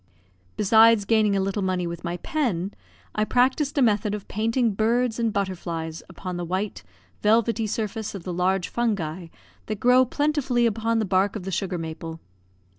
Besides gaining a little money with my pen, I practised a method of painting birds and butterflies upon the white, velvety surface of the large fungi that grow plentifully upon the bark of the sugar maple.